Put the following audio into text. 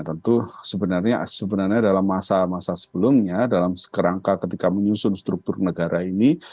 tentu sebenarnya dalam masa masa sebelumnya dalam kerangka ketika menyusun struktur negara ini